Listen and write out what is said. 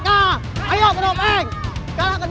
ayo kita berhasil